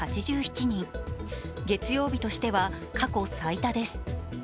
月曜日としては過去最多です。